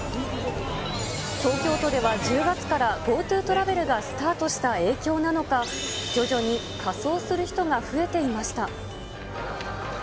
東京都では１０月からＧｏＴｏトラベルがスタートした影響なのか、徐々に仮装する人が増えていました。